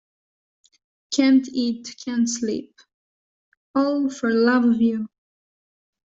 Can't eat, can't sleep — all for love of you.